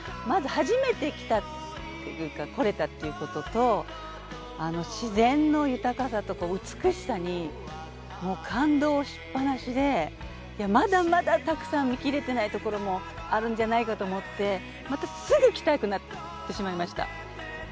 まず初めて来たっていうか来られたっていうことと自然の豊かさとか美しさにもう感動しっぱなしでまだまだたくさん見きれてないところもあるんじゃないかと思ってまたすぐ来たくなってしまいました。